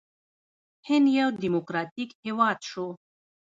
هند یو ډیموکراټیک هیواد شو.